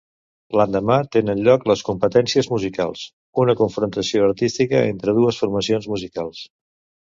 L'endemà, tenen lloc les Competències Musicals, una confrontació artística entre dues formacions musicals.